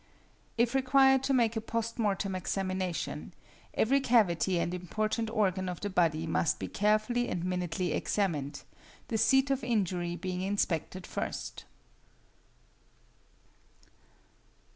If required to make a post mortem examination, every cavity and important organ of the body must be carefully and minutely examined, the seat of injury being inspected first.